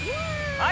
はい。